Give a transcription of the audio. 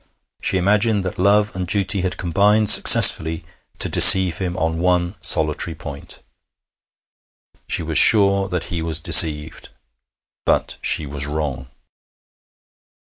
She imagined that love and duty had combined successfully to deceive him on one solitary point. She was sure that he was deceived. But she was wrong.